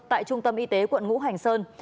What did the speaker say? tại trung tâm y tế quận ngũ hành sơn